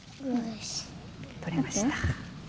取れました。